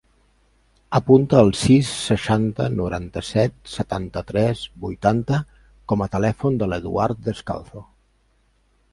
Apunta el sis, seixanta, noranta-set, setanta-tres, vuitanta com a telèfon de l'Eduard Descalzo.